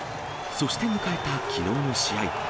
そして迎えたきのうの試合。